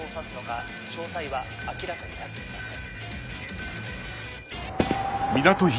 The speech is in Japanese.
詳細は明らかになっていません。